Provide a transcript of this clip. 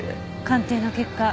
鑑定の結果